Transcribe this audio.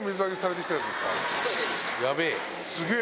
すげえ。